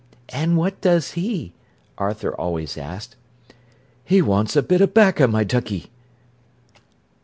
"And what does he?" Arthur always asked. "He wants a bit o' bacca, my duckey."